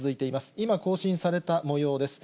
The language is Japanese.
今、更新されたもようです。